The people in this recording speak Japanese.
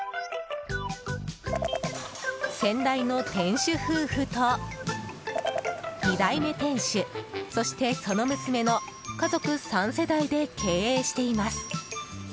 先代の店主夫婦と２代目店主そして、その娘の家族３世代で経営しています。